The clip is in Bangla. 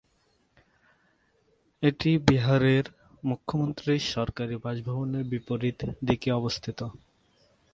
এটি বিহারের মুখ্যমন্ত্রীর সরকারি বাসভবনের বিপরীত দিকে অবস্থিত।